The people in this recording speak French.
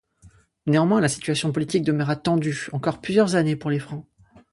Néanmoins, la situation politique demeura tendue encore plusieurs années pour les Francs.